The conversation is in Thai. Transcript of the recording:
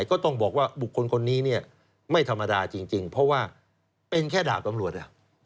ก็ต้องบอกว่าบุคคลคนนี้เนี่ยไม่ธรรมดาจริงเพราะว่าเป็นแค่ดาบตำรวจ